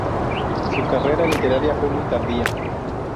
Su carrera literaria fue muy tardía.